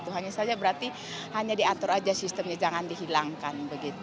hanya saja berarti hanya diatur aja sistemnya jangan dihilangkan